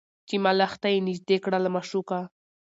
چي ملخ ته یې نیژدې کړله مشوکه